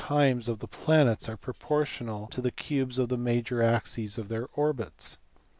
259 times of the planets are proportional to the cubes of the major axes of their orbits.